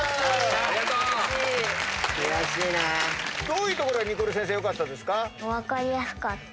どういうところがニコル先生良かったですか？